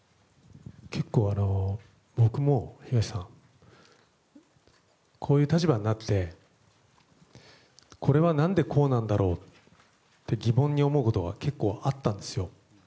結構、僕もこういう立場になってこれは何でこうなんだろうって疑問に思うことが結構、あったんですよ。